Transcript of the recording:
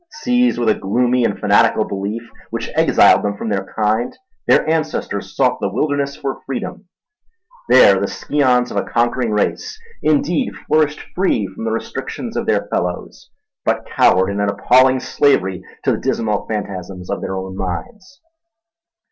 Seized with a gloomy and fanatical belief which exiled them from their kind, their ancestors sought the wilderness for freedom. There the scions of a conquering race indeed flourished free from the restrictions of their fellows, but cowered in an appalling slavery to the dismal phantasms of their own minds.